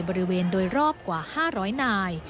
บริเวณโดยรอบกว่า๕๐๐นาย